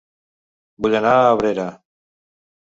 Vull anar a Abrera